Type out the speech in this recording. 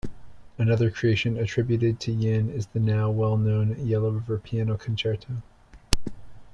Another creation attributed to Yin is the now well-known Yellow River Piano Concerto.